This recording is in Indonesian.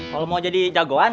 kalo mau jadi jagoan